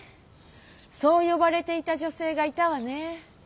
そうよばれていた女性がいたわね。